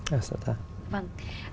dạ sẵn sàng